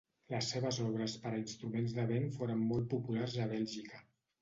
Les seves obres per a instruments de vent foren molt populars a Bèlgica.